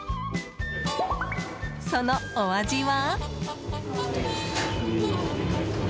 そのお味は？